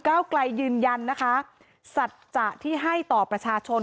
เก้าไกลยืนยันนะคะสัจจะที่ให้ต่อประชาชน